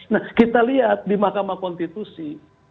nah kita lihat di mahkamah konstitusi